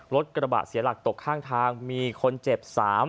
รถกระบะเสียหลักตกข้างทางมีคนเจ็บ๓